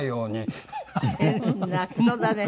変な人だね。